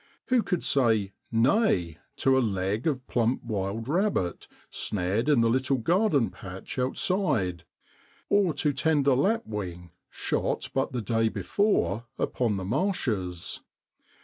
Who could say ' Nay !' to a leg of plump wild rabbit, snared in the little garden patch outside, or to tender lapwing, shot but the day before upon the marshes?